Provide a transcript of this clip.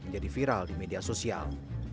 menjadi viral di media sosial